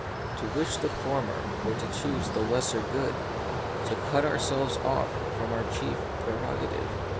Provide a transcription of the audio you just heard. To wish the former were to choose the lesser good, to cut ourselves off from our chief preroga tive.